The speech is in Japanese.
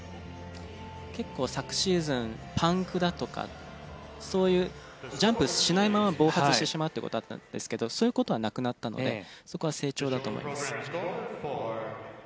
結構昨シーズンパンクだとかそういうジャンプしないまま暴発してしまうって事があったんですけどそういう事はなくなったのでそこは成長だと思います。